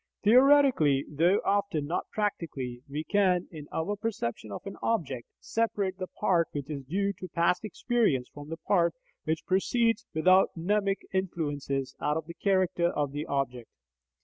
Theoretically, though often not practically, we can, in our perception of an object, separate the part which is due to past experience from the part which proceeds without mnemic influences out of the character of the object.